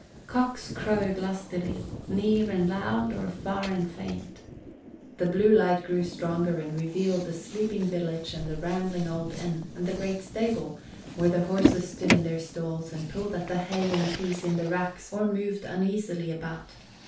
Cocks crowed lustily, near and loud or far and faint. The blue light grew stronger and revealed the sleeping village and the rambling old inn and the great stable, where the horses stood in their stalls and pulled at the hay and pease in the racks or moved uneasily about.